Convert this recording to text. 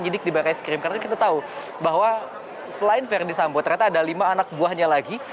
penyidik di barai skrim karena kita tahu bahwa selain verdi sambo ternyata ada lima anak buahnya lagi